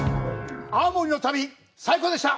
青森の旅、最高でした！